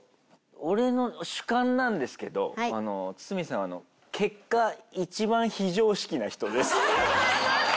俺の主観なんですけどツツミさんは結果一番非常識な人です。